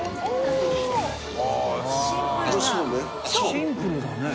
シンプルだね。